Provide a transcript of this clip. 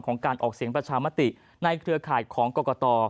การออกเสียงประชามติในเครือข่ายของกรกต